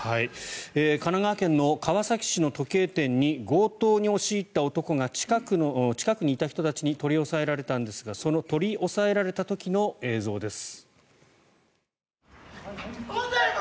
神奈川県の川崎市の時計店に強盗に押し入った男が近くにいた人たちに取り押さえられたんですがその取り押さえられた時の映像です。